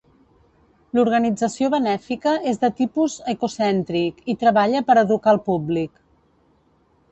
L'organització benèfica és de tipus ecocèntric i treballa per educar al públic.